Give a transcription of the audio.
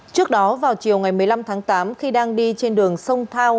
trước đó vào chiều ngày một mươi năm tháng tám khi đang đi trên đường sông thao